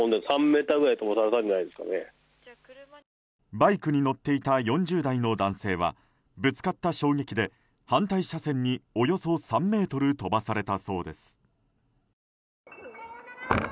バイクに乗っていた４０代の男性はぶつかった衝撃で反対車線におよそ３ｍ飛ばされたそうです。